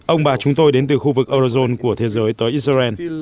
ông bà chúng tôi đến từ khu vực eurozone của thế giới tới israel